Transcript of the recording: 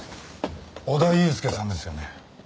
小田悠介さんですよね。